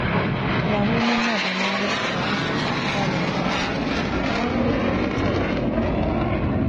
ލަހޫމެންނާ ދިމާވެ ވާހަކަދައްކާލެވުމުން އަހަރެން ހުރީ ކޮންމެސްވަރަކަށް ހަމަޖެހިފަ